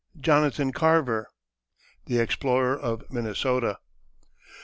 JONATHAN CARVER, THE EXPLORER OF MINNESOTA.